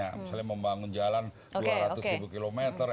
misalnya membangun jalan dua ratus ribu kilometer